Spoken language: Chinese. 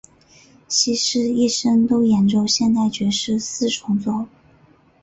希斯一生都演奏现代爵士四重奏。